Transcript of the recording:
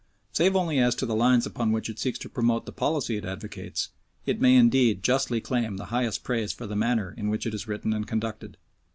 Save only as to the lines upon which it seeks to promote the policy it advocates, it may indeed justly claim the highest praise for the manner in which it is written and conducted.